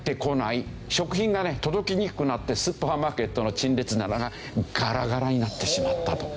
食品がね届きにくくなってスーパーマーケットの陳列棚がガラガラになってしまったと。